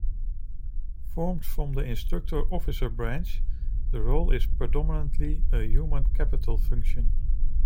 Formed from the Instructor Officer branch, the role is predominantly a Human Capital function.